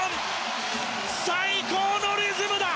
最高のリズムだ！